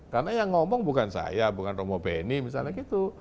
karena yang ngomong bukan saya bukan romo beni misalnya gitu